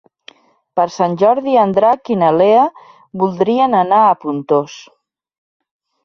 Per Sant Jordi en Drac i na Lea voldrien anar a Pontós.